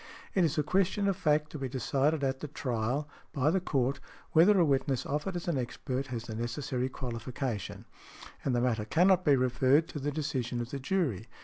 It is a question of fact to be decided at the trial, by the Court, whether a witness offered as an expert has the necessary qualification . And the matter cannot be referred to the decision of the jury.